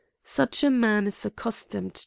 Such a man is accustomed .